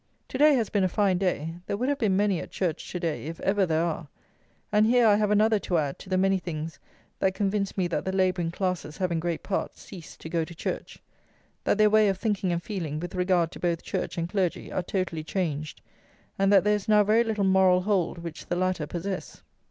To day has been a fine day: there would have been many at church to day, if ever there are; and here I have another to add to the many things that convince me that the labouring classes have, in great part, ceased to go to church; that their way of thinking and feeling with regard to both church and clergy are totally changed; and that there is now very little moral hold which the latter possess.